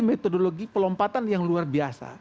metodologi pelompatan yang luar biasa